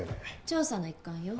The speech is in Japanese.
調査の一環よ。